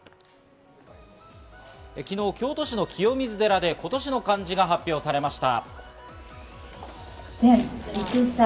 昨日、京都市の清水寺で今年の漢字が発表されました。